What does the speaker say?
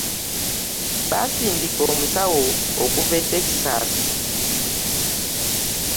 Baasindika omusawo okuva e taxas.